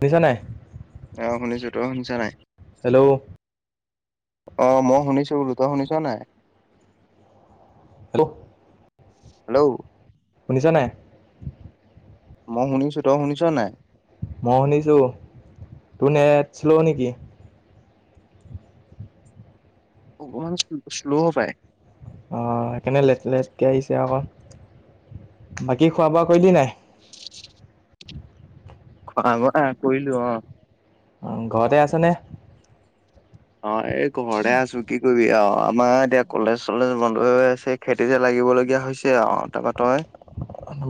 নিিছা [unintelligible] নাই অ' শুনিছোঁ তই শুনিছা নাই হেল্ল' আহ মই শুনিছো বলো তই শুনিছ নাই দু [unintelligible] হেল্ল' শুনিছ নাই মই শুনিছোঁ তই শুনিছ নাই মই শুনিছোঁ তোৰ নেট শ্লো নেকি অকমান্ শ্ল' পায় অ সেইকাৰণে লেট লেটকে আহিছে আকৌ বাকী খোৱা বোৱা কৰিলি নাই খোৱা বোৱা কৈলো অ অ ঘৰতে আছে নে অ এই ঘৰতে আছু কি কৰিবি আৰু অ আমাৰ এতিয়া কলেজ চলেজ বন্ধ হৈ আছে খেতি যে লাগিবলগীয়া হৈছে অ তাৰপা তই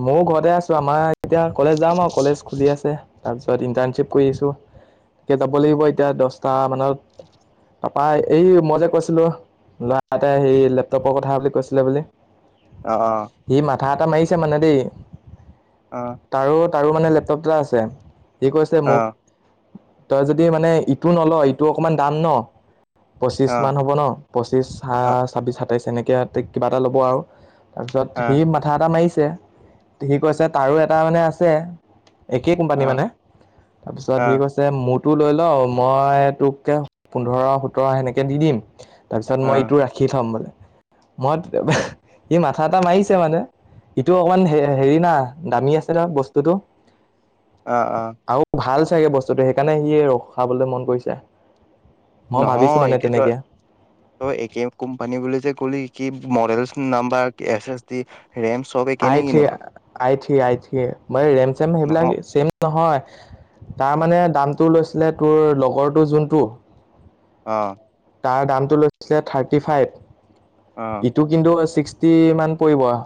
ময়ো ঘৰতে আছোঁ আমাৰ এতিয়া কলেজ যাম আৰু কলেজ খুলি আছে তাৰপিছত ইণ্টাৰ্ণশ্বিপ কৰি আছোঁ তাকে [unintelligible] যাব লাগিব এতিয়া দছটা মানত তাৰপা এই মই যে কৈছিলো ল'ৰা এটাই সেই লেপটপৰ কথা বুলি কৈছিলে বুলি অ সি মাথা এটা মাৰিছে মানে দেই অ তাৰো তাৰো মানে লেপটপ এটা আছে সি কৈছে অ মোক তই যদি মানে ইটো নল ইটো অকমান দাম ন' পঁচিছ অ অ মান হ'ব ন পঁচিশ ছাব্বিশ সাতাইছ এনেকে কিবা এটা ল'ব আৰু তাৰপিছত অ অ সি মাথা এটা মাৰিছে সি কৈছে তাৰো এটা মানে আছে একে কোম্পানী মানে তাৰপিছত অ সি গৈছে মুঠ ত্ই লৈ ল মই তোক পোন্ধৰ সোতৰ সেনেকে দি দিম তাৰ পিছত অ মই ইটো ৰাখি থম মানে মত সি মাথা এটা মাৰিছে মানে। ইটো অকমান হে হেৰিনা দামী আছিল না বস্তুটো। অ অ আৰু ভাল চাগে বস্তুটো সেইকাৰণে সিয়ে ৰখাবলৈ মন কৰিছে। মই ভাবিছো নহয় মানে এতিয়াতো তেনেকে ত একে কোম্পানী বুলি যে কলি কি মৰেলছ number S S D RAM চব একে নে আই থ্ৰি কিনো আই থ্ৰি আই থ্ৰি মানে ৰেম-ছেম নহয় সেইবিলাক ছেম নহয় তাৰ মানে দামটো লৈছিলে তোৰ লগৰটো জোনটো অ'। তাৰ দামটো লৈছিলে অ থাৰ্টিফাইভ ইটো কিন্তু ছিক্স তি মান পৰিব আৰ।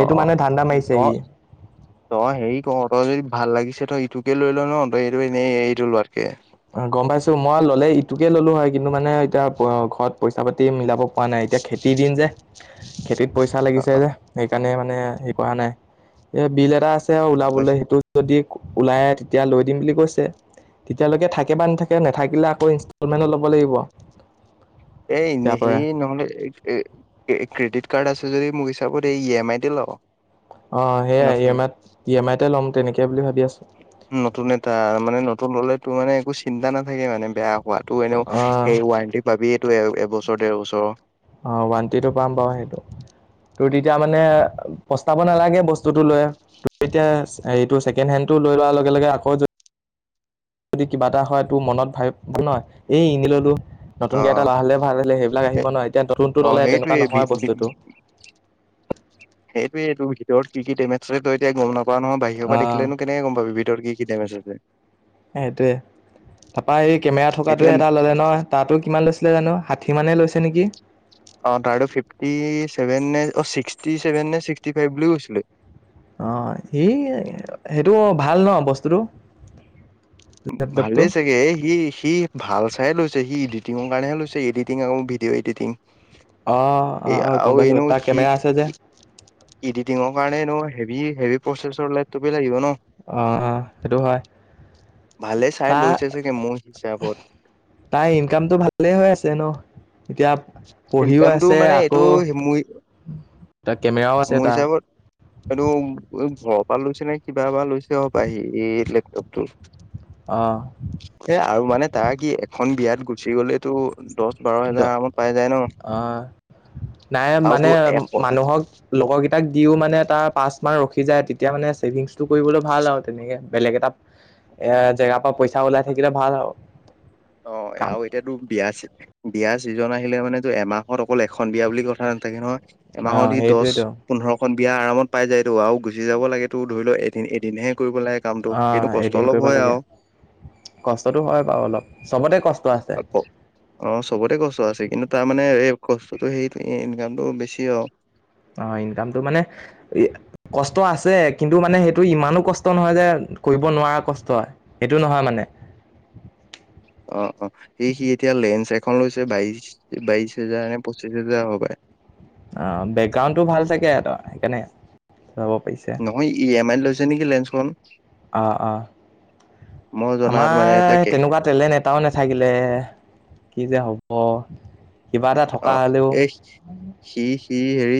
অ', অ' তয় হেৰি কৰ তয় জদি ভাল লাগিছে তই ইটোকে লৈল, ন তই এইটো এনেই এইটো লোৱাত উম গম পাইছো মই ল'লে ইটোকে ল'লো হয় কিন্তু মানে এতিয়া ঘৰত পইচা পাতি মিলাব পৰা নাই এতিয়া খেতিৰ দিন যে খেতিত পইচা অ লাগিছে অ যে সেইকাৰণে মানে হেৰি কৰা নাই এ বিল এটা তেওঁ গম উলাবলৈ পাইছো সেইটোত যদি ওলাই তেতিয়া লৈ দিম বুলি কৈছে। তেতিয়া লৈকে থাকে বা নাথাকে নেথাকিলে আকৌ ইনষ্টলমেনত ল'ব লাগিব। এই ইয়াৰ পৰা হেৰি নহ'লে এ' এ ক্ৰেডিট কাৰ্ড আছে যদি মোৰ হিচাপত এই ই এম আই তে ল। অ' সেয়াই ই নতুন এম আইত ই এম আইতে ল'ম তেনেকে বুলি ভাবি আছো নতুন এটা মানে নতুন ল'লেতো মানে একো চিন্তা নাথাকে মানে। বেয়া হোৱাতো এনেও অ' সেই ৱাৰেণ্টি পাবিয়ে টো এবছৰ ডেৰ বছৰৰ। অ' ৱাৰেণ্টি তো পাম বাৰু সেইটো। তোৰ তেতিয়া মানে পস্তাব নালাগে বস্তুটো লৈ। এতিয়া হেৰিটো ছেকেণ্ড হেণ্ডটো লৈ লোৱাৰ লগে লগে আকৌ যদি যদি কিবা এটা হয় তোৰ মনত ভাইব আহিব ন এই এনে ল'লো। অ নতুনকে এটা লোৱা হলে ভাল আছিলে লাগে সেইবিলাক আহিব না এতিয়া নতুনটো অ ল'লে তেনেকুৱা নহয় বস্তুটো। সেইটোৱে তো তৰ কি-কি ডেমেজ আছে তই এতিয়া গম নাপোৱা নহয় বাহিৰৰ পৰা অ' দেখিলেনো কেনেক গম পাবি ভিতৰত কি কি ডেমেজ আছে। সেইটোয়ে তাপৰা এই কেমেৰা থকাটোৱে সেইটোয়ে এটা ল'লে নহয় তৰটো কিমান লৈছিলে জানো? ষাঠি মানে লৈছে নেকি? অ' তাৰটো ফিফটি ছেভেন নে ছিক্সথি ছেভেন নে সিক্সটি ফাইভ বুলি কৈছিলে। অ' সেই সেইটো ভাল ন বস্তুটো? লেপটপটো ভালেই চাগে সি সি ভাল চাইয়ে লৈছে। সি এডিটিংৰ কাৰণেহে লৈছে এডিটং আৰু ভিডিঅ' এডিটিং। অ', অ', এ' অ', গম আও পাইছোঁ, এনেও তাৰ সি কেমেৰা আছে যে। এডিটিংৰ কাৰণে এনেও হেভি হেভি প্ৰচেছৰ [unintelligible] থাকিব ন। অ', অ' সেইটো হয়। ভালে চাই লৈছে চাগে মোৰ হিচাপত। তাইৰ ইনকমটো ভালেই হৈ আছে ন। এতিয়া পঢ়িও ইনকামটো আছে মানে এইটো আকৌ মোৰ এটা কেমেৰাও আছে মোৰ তাৰ। হিচাপত এইটো ঘৰৰ পৰা লৈছে নে কিবাৰ পৰা লইচে হপায় সি এই লেপটপটো। অ', সেই আৰু মানে তাৰ কি এখন বিয়াত গুচি গ'লেতো দচ বাৰ দ হাজাৰ আৰামত পাই যায় ন। অ' নাই আৰুতো মানে এশ মানুহক লগৰ কেইটাক দিও মানে এ' তাৰ পাঁচ মান, ৰখি যায় তেতিয়া মানে সেভিংস কৰিবলৈ ভাল আৰু তেনেকে বেলেগ এটা এয়া জেগাৰ পৰা পইচা ওলাই থাকিলে ভাল আৰু। অ' কাম, আৰু এতিয়াতো বিয়া আছে। বিয়াৰ চিজন আহিলে মানে এমাহত অকল এখন বিয়া বুলি কথা নাথাকে নহয়। এমাহত অ', সি দচ সেইটোৱেতো। পোন্ধৰখন বিয়া আৰামত পাই যায়তো আৰু গুচি যাব লাগে তোৰ ধৰি লও এদিন এদিনহে কৰিব লাগে কামটো কিন্তু অ' কষ্ট এদিন অলপ কৰিব হয় লাগে আৰু কষ্টতটো হয় বাৰু অলপ চবতে কষ্ট আছে। অ' চবতে কষ্ট আছে কিন্তু তাৰমানে [unintelligible] কষ্টটো সেইটো ইনকামটো বেছি আৰু। অ', ইনকামতো মানে কষ্ট আছে, কিন্তু মানে সেইটো ইমানো কষ্ট নহয়, যে কৰিব নোৱাৰা কষ্ট, এইটো নহয় মানে। অ', অ', সি, সি এতিয়া লেঞ্চ এক ফোন লৈছে বাইচ, বাইচ হোজাৰ নে, পঁচিশ হেজাৰ হ'ব পাই। অ', বেকগ্ৰাউণ্ডটো ভাল চাগে তৰ সেইকাৰণে। যাব পাৰিছে নহয় ই এম আই লৈছে নেকি, লেঞ্চখন। অ', অ'। মই জনাত আমাৰ মানে এটা কেক তেনেকুৱা ট্ৰেলেণ্ট এটাও নাথাকিলে। কিযে হ'ব, কিবা এটা অ থকা হ'লেও। এই সি সি হেৰি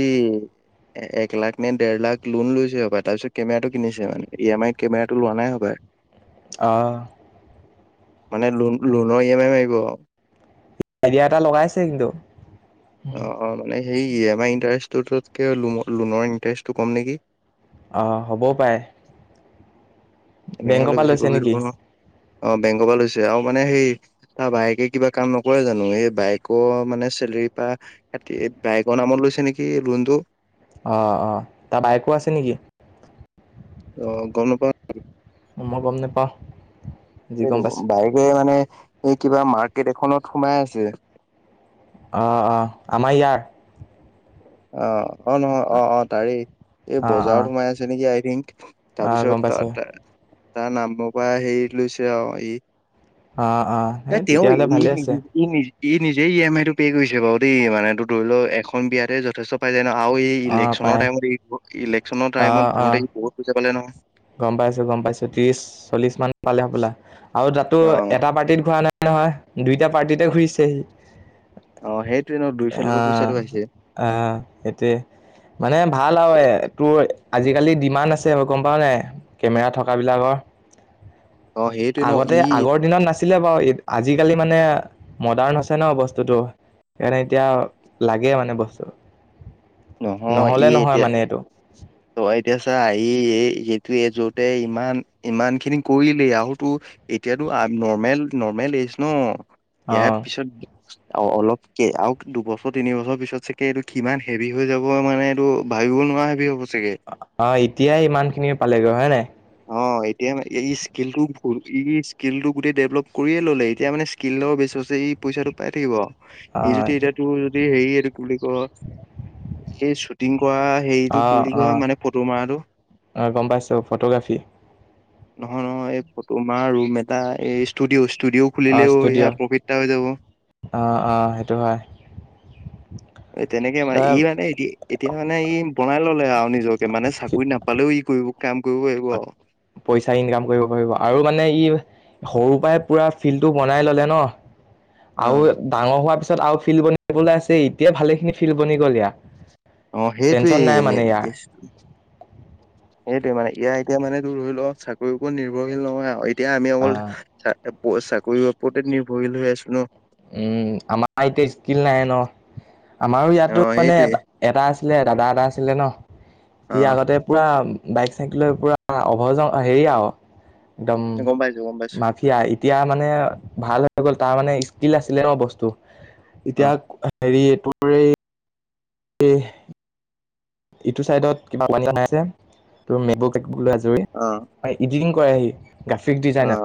এ-একলাখ নে, ডেৰলাখ লোন লৈছে হ'ব তাৰপিছত কেমেৰাটো কিনিছে মানে, ই এম আইত কেমেৰাটো লোৱা নাই [unintelligible] অ' মানে লোন, লোনৰ ই এম আই মাৰিব আইডিয়া এটা লগাইছে কিন্তু। অ', অ', মানে সেই ই এম আই ইণ্টাৰেষ্টটোকে লো-লোনৰ ইণ্টাৰেষ্টটো কম নেকি? অ', হ'বও পাৰে। তেনেকে বেংকৰ হ'লে পৰা বেছি লৈছে কৰি নেকি [unintelligible] অ', বেংকৰ পৰা লৈছে আৰু মানে সেই তাৰ বায়েকে কিবা কাম নকৰে জানোঁ? এই বাইকৰ মানে চেলেৰিৰ পা [unintelligible] বাইকৰ নামত লৈছ [unintelligible] নেকি লোণটো। অ', অ', তাৰ বায়েকো আছে নেকি? অ', গম [inaudible] মই গম নেপাওঁ। বায়েকে মানে এই কিবা মাৰ্কেট এখনত সোমাই আছে। অ', অ', আমাৰ ইয়াত। অ', অ', নহয়, অ', অ', তাৰেই এই অ অ বজাৰত সোমাই আছে নেকি আই থিংক। অ তাৰপিছত গম পাইছো তা-তা-তাৰ নামৰ পৰা হেৰি লৈছে আৰু ই অ', অ', সেই তেওঁ তেতিয়াহ'লে ভালে আছে। [unintelligible] ই নিজে ই এম আইটো পে' কৰিছে বাৰু দেই, মানেটো ধৰি ল, এখন বিয়াতে যথেষ্ট পাই যায় আৰু এই অ', ইলেকশ্যনৰ পায় টাইমত, ইলেকশ্যনৰ টাইমত অ', ঘূৰোতে অ', ই, বহুত পইচা পালে নহয়। গম পাইছোঁ, গম পাইছোঁ ত্ৰিশ, চল্লিশ মান পালে হ'বলা আৰু তাতো অ এটা পাৰ্টিত ঘূ নাই নহয়, দুইটা পাৰ্টিতে ঘূৰিছে হি অ', সেইটো অ', অ', সেইটোয়ে, মানে ভাল আৰু তোৰ আজিকালি ডিমাণ্ড আছে গম পাওঁ নাই? কেমেৰা থকাবিলাকৰ। অ সেইটোৱে ন আগতে, ই আগৰ দিনত নাছি ছিলে বাৰু, আজিকালি মানে মডাৰ্ণ হৈছে ন! বস্তুটো। সেইকাৰণে এতিয়া লাগে মানে বস্তু। নহয়, নহ'লে ই নহয় এতিয়া মানে এইটো। তই এতিয়া চা, ই [unintelligible] এজতে ইমান, ইমানখিনি কৰিলেই আৰুটো এতিয়াতো নৰ্মেল, নৰ্মেলেই [unintelligible] ইয়াৰ অ', পিছত অলপকে আৰু দুবছৰ, তিনিবছৰ পিছত চাগে এইটো কিমান হে বি, হৈ যাব মানে, এইটো ভাবিব নোৱাৰা হেভি হ'ব চাগে অ', এতিয়াই ইমানখিনি পালেগৈ হয়, নাই? অ এতিয়া এই ইস্কেলটো [unintelligible] স্কেলটো গোটেই ডেভলপ কৰিয়ে ল'লে, এতিয়া মানে স্কিলও বেছছে ই পইচাটো পাই থাকিব আৰু ই, অ', যদি এতিয়া তোৰ যদি হেৰি এইটো‌ কি বুলি কই এই শ্বুটিং কৰা হেৰিটো কি বুলি কয়? মানে ফটো মাৰাটো? অ', গম পাইছোঁ, ফটোগ্ৰাফী৷ নহয়, নহয়, এই ফটোমাৰা ৰুম এটা এই ষ্টুডিঅ' ষ্টুডিঅ' আহ খুলিলেও ষ্টুডিঅ' সেয়া প্ৰফিট এটা হৈ যাব। আহ আহ সেইটো হয় তেনেকে মানে দা ই মানে এ এতিয়া মানে ই বনাই ললে আও নিজকে মানে চাকৰি নাপালেও ই কৰিব কাম কৰিব কৰিব আও। পইচা ইনকাম কৰিব পাৰিব আৰু মানে ই সৰু পৰাই পুৰা ফিল্ডটো বনাই ল'লে ন। অ। আৰু ডাঙৰ হোৱাৰ পিছত আৰু ফিল্ড বনিবলৈ আছে এতিয়া ভালেখিনি ফিল্ড বনি গ'ল ইয়া। অ সেইটোৱেই মেইন ইয়েচ সেইটোৱে মানে এয়া এতিয়া মানে তোৰ ধৰি লও চাকৰিৰ ওপৰত নিৰ্ভৰশীল নহয় আও এতিয়া আমি অকল আহ চাক প চাকৰিৰ ওপৰতে নিৰ্ভৰশীল হৈ আছো ন। উম আমাৰ এতিয়া স্কিল নাই ন? আমাৰো অ ইয়াতো মানে এ সেইটোৱে এটা আচ ছিলে দাদা এটা আছিলে ন? সি অ আগতে পুৰা বাইক চাইকেলৰ পুৰা অভজং হেৰি আৰু একদম গম পাইছো গম পাইছো মাফিয়া। এতিয়া মানে ভাল হৈ গ'ল৷ তাৰ মানে স্কিল আছিলে ন বস্তু। অ এতিয়া হেৰি এই তোৰ এই এহ ইটো চাইডত কিবা পানী [unintelligible] নাই যে তোৰ [unintelligible] লৈ আজৰি৷ অ হয় ইদিতিং কৰেহি গ্ৰাফিক অ ডিজাইনাৰ,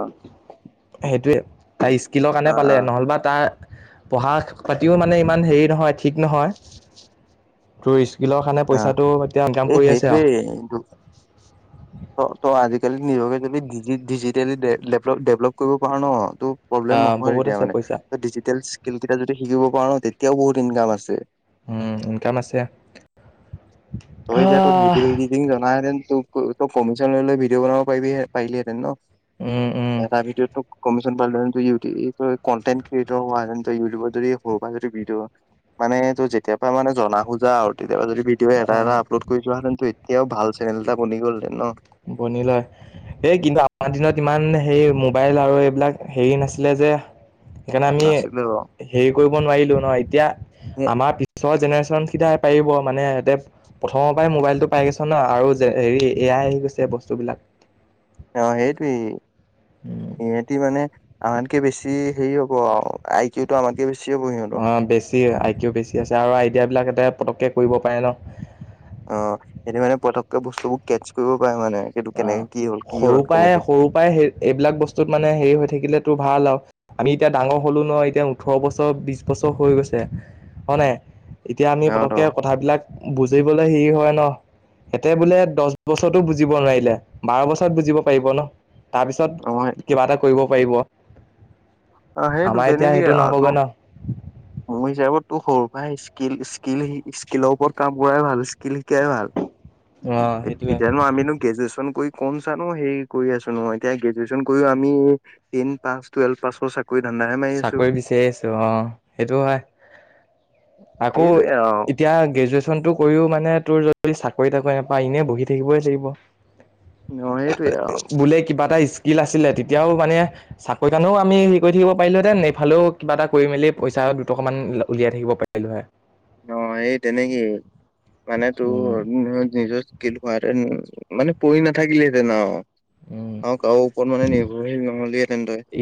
সেইটোৱে। তাৰ স্কিলৰ কাৰণে অ পালে অ নহ'লবা তা পঢ়া পাতিও মানে ইমান হেৰি নহয় ঠিক নহয়৷ তোৰ স্কিলৰ কাৰণে অ পইচাটো এতিয়া ইনকাম এই কৰি আছে আৰু সেইটোৱেই তো ত ত আজি আজিকালি নিজকে যদি ডিজি ডিজিটেলি ডেভলপ ডেভলপ কৰিব পৰা ন তো প্ৰব্লেম আহ নহয় বহুত তেতিয়া আছে মানে পইচা ৷ ডিজিটেল স্কিল কেইটা যদি শিকিব পাৰো ন তেতিয়াও বহুত ইনকাম আছে ৷ উ ইনকাম আছে ৷ তই এতিয়া তই ভিডিঅ' এডিটিং জানাহেতেন তোক ত কমিশন লৈ লৈ ভিডিঅ' বনাব পাৰি পাৰিলিহেতেন ন? উম উম এটা ভিডিঅ' তোক কমিশন পালো [unintelligible] কটেন্ট ক্ৰিয়েটৰ হোৱা ইউটিউবত যদি সৰু পা যদি ভিডিঅ মানে ত যেতিয়া পৰা মানে জনা বুজা আৰু তেতিয়াবা যদি তাতে আহ আপলোড কৰি যোৱাহেতেন এতিয়াও ভাল চেনেল এটা বনি গ'লহতেন ন? বনি লয়, এই কিন্তু আমাৰ দিনত ইমান হেই মোবাইল আৰু এইবিলাক হেৰি নাছিলে যে সেইকাৰণে আমি নাছিলে বাৰু। হেৰি কৰিব নোৱাৰিলো ন, এতিয়া আমাৰ পিছৰ জেনেৰেশ্যন এতিয়া পাৰিব মানে এতিয়া প্ৰথমৰ পৰাই মোবাইলটো পাই গৈছে না, আৰু যে হেৰি এ আই আহি গৈছে যে বস্তুবিলাক। অ সেইটোৱেই, ইহতি মানে আমাতকে বেছি হেৰি হ'ব আৰু আইকিউটো আমাতকে বেছি হ'ব সিহঁতৰ। অ বেছি আইকিউ বেছি আছে আৰু আইডিয়াাবলাক এতে পতককে কৰিব পাৰে ন? অ সেইটো মানে পতককে বস্তুবোৰ কেটচ কৰিব পাৰে মানে। সেইটো অ কেনেকে কি হ'ল কি হ'ল সৰু পৰাই কেনেকে। সৰু পৰাই সে এইবিলাক বস্তুত মানে হেৰি হৈ থাকিলে টো ভাল আৰু আমি এতিয়া ডাঙৰ হলো ন, এতিয়া ওঠৰ বছৰ বিশ বছৰ হৈ গৈছে। হয় নাই এতিয়া আমি সিহঁতৰ পতককে কথাবিলাক বুজ বুজিবলে হেৰি হয় ন, সেতে বোলে দচ বছৰতো বুজিব নোৱাৰি। বাৰ বছৰত বুজিব পাৰিব ন, অ' তাৰপিছত কিবা এটা কৰিব পাৰিব। অ সেইটো আমাৰ এতিয়া সেইটো তেনেকেই আৰু নহ'বগৈ তোৰ, ন। মোৰ হিচাপত তোৰ সৰু ভাই স্কিল স্কিল স্কিলৰ ওপৰত কাম কৰাই ভাল স্কিল শিকাই ভাল। অ' সেইটোৱে, এতিয়ানো আমিনো গ্ৰেজুৱেচন কৰি কৌন চা নো হেৰি কৰি আছো নো এতিয়া গ্ৰেজুৱেন কৰিও আমি টেন পাছ, টুৱেলভ পাছৰ চা চাকৰি বিচাৰি আছো অ সেইটো হয়। আকৌ সেইটোৱে আৰু। এতিয়া গ্ৰেজুৱেট ন টো কৰিও মানে তোৰ যদি চাকৰি তাকৰি নাপাই এনেই বহি থাকিবই লাগিব অ' সেইটোৱে আৰু বোলে কিবা এটা স্কিল আছিলে তে এতিয়াও মানে চাকৰি কাৰণেও আমি হেৰি কৰি থাকিব পাৰিলোহেতে ন এইফালেও কিবা এটা কৰি মেলি পইচা দুটকা মান উলিয়াই থাকিব পাৰিলোহৈ ন এই তেনেকেই মানে উম। তোৰ নিজৰ [unintelligible] মানে পৰি নাথাকিলেহেতেন আৰু উম, আৰু কাৰো ওপৰত মানে নিৰ্ভৰশীল নহলে।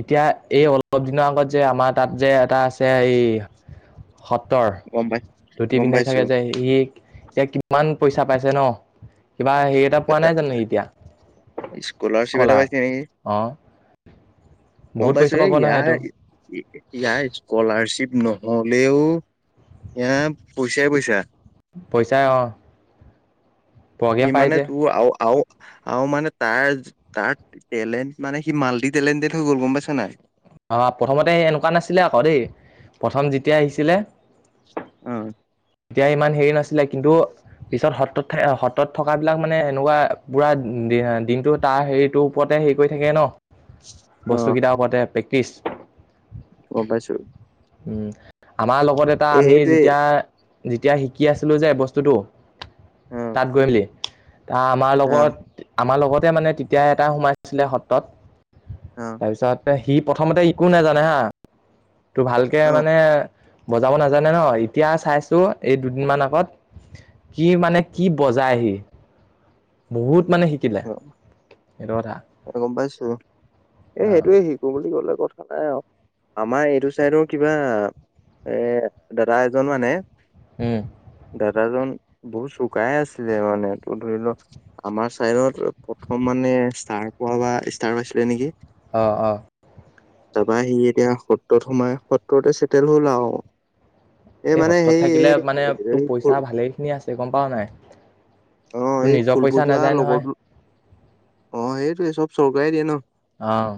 এতিয়া এই অলপ দিনৰ আগত যে আমাৰ তাত যে এটা আছে এই সতৰ গম পাই ধুতি গম পিন্ধাই পাইছো। থাকে যে সি এতিয়া কিমান? পইচা পাইছে ন কিবা হেৰি এটা পোৱা নাই জানো এতিয়া স্কলাৰশিপ এটা স্কলাৰ? পাইছে নেকি? অ', বহুত গম পইচা পাইছোঁ পাব নহয় এয়া সেইটো ইয়াৰ স্কুলাৰ ্চিপ নহলেও এয়া পইচাই পইচা পইচাই অ। প্ৰগ্ৰেম এই পাই মানে যে তো আও আও আৰু মানে তাৰ তাৰ টেলেণ্ট মানে সি মাল্টি টেলেণ্টেড হৈ গল গম পাইছা নাই অ প্ৰথমতে এনেকুৱা নাছিলে আকৌ দেই প্ৰথম যেতিয়া আহিছিলে। অ', তেতিয়া ইমান হেৰি নাছিলে কিন্তু্। পিছত সত্ৰত থ সত্ৰত থকা বিলাক মানে এনেকুৱা পুৰা দিনটো তাৰ হেৰিটোৰ ওপৰতে। হেৰি কৰি থাকে ন বস্তু অ', কেইটা ওপৰতে প্ৰেক্টিচ। গম পাইছো উম আমাৰ লগত এটা এই আমি সেইটোৱে যেতিয়া যেতিয়া শিকি আছিলো যে বস্তুটো। অ', তাত গৈ মেলি আমাৰ লগত অ', আমাৰ লগত। মানে তেতিয়া এটা সোমাইছিলে সত্ৰত অ', তাৰপিছতে। প্ৰথমতে হা নাজানে হা তো ভালকে অ', মানে বজাব নাজানে ন এতিয়া চাইছো এই দুদিন মান আগত কি মানে কি বজায় সি বহুত মানে শিকিলে সেইটো কথা গম পাইছো এ অ সেইটোৱে শিকো বুলি কলে কথা আমাৰ এইটো চাইদৰ কিবা এ দাদা এজন মানে উম। দাদাজন বহুত চুকাই আছিলে মানে ত ধৰি লও আমাৰ চাইত প্ৰথম মানে ষ্টাৰ পোৱা বা ষ্টাৰ পাইছিলে নেকি অ অ। তাৰপা সি এতিয়া সত্ৰত সোমাই সত্ৰতে চেটেল হল আও এই সত্ৰত থাকিলে মানে তোৰ খোল পইচা ভালে খিনি আছে গম পাও নাই অ তোৰ এই নিজৰ খুল পইচা বজোৱা নাযায় নহয় লগৰটো অ সেইটোয়ে চব চৰকাৰে দিয়ে ন অহ।